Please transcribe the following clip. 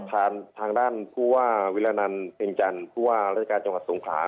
ผ่านทางด้านคือว่าวิราณันเพียงจันทร์คือว่ารัฐกาลจังหัวสงขรา